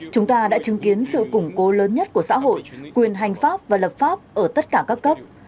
chúng ta đã chứng kiến sự củng cố lớn nhất của xã hội quyền hành pháp và lập pháp ở tất cả các cấp